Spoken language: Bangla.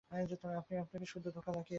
আপনি আমাকে সুদ্ধ ধোঁকা লাগিয়ে দিলেন যে!